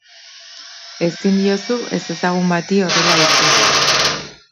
Ezin diozu ezezagun bati horrela hitz egin.